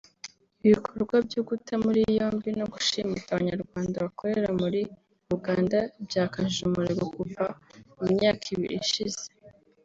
Ibikorwa byo guta muri yombi no gushimuta Abanyarwanda bakorera muri Uganda byakajije umurego kuva mu myaka ibiri ishize